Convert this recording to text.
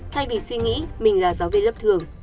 thay vì suy nghĩ mình là giáo viên lớp thường